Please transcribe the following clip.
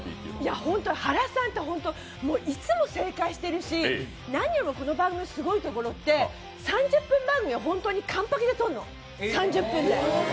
はらさんっていつも正解しているし何よりも、この番組のすごいところって３０分番組を本当に完パケで撮るの、３０分で。